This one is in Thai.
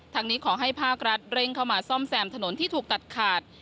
นี้ขอให้ภาครัฐเร่งเข้ามาซ่อมแซมถนนที่ถูกตัดขาด